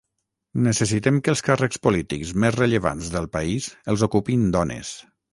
Necessitem que els càrrecs polítics més rellevants del país els ocupin dones.